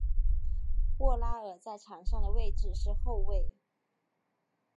沃拉尔在场上的位置是后卫。